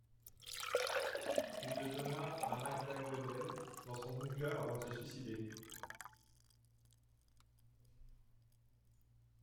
Il le donna à Magda Goebbels dans son bunker avant de se suicider.